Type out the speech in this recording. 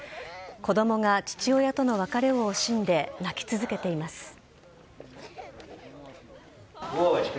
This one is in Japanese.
子どもが父親との別れを惜しんで、泣き続けています。